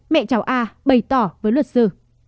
mẹ cháu a bày tỏ với luật sư